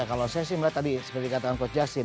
ya kalau saya sih melihat tadi seperti katakan coach jasin